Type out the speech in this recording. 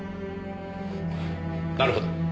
なるほど。